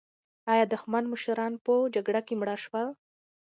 ایا دښمن مشران په جګړه کې مړه شول؟